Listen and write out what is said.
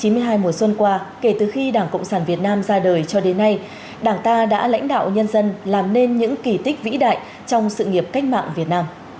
trong chín mươi hai mùa xuân qua kể từ khi đảng cộng sản việt nam ra đời cho đến nay đảng ta đã lãnh đạo nhân dân làm nên những kỳ tích vĩ đại trong sự nghiệp cách mạng việt nam